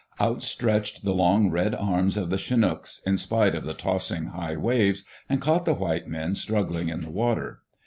Out stretched the long red arms of the Chinooks, in spite of the tossing, high waves, and caught the white men struggling in the water.